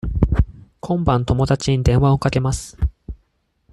今晩友達に電話をかけます。